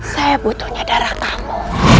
saya butuhnya darah kamu